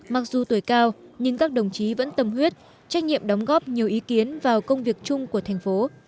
mặc dù tuổi cao nhưng các đồng chí vẫn tâm huyết trách nhiệm đóng góp nhiều ý kiến vào công việc chung của thành phố